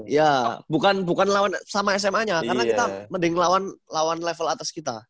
ya bukan lawan sama sma nya karena kita mending lawan level atas kita